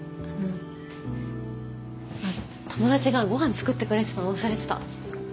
あの友達がごはん作ってくれてたの忘れてた。